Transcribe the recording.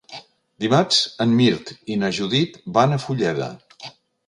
Dimarts en Mirt i na Judit van a Fulleda.